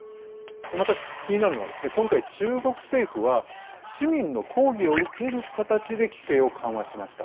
また気になるのは今回、中国政府は市民の抗議を受ける形で規制を緩和しました。